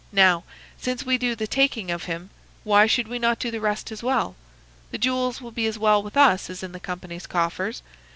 Now, since we do the taking of him, why should we not do the rest as well? The jewels will be as well with us as in the Company's coffers.